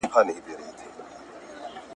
که انجنیر وي نو پل نه نړیږي.